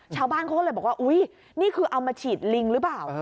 ชาวบ้านเขาก็เลยบอกว่าอุ๊ยนี่คือเอามาฉีดลิงหรือเปล่า